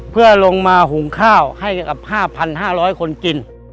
เพื่อลงมาหุงข้าวให้กับ๕๕๐๐คนกิน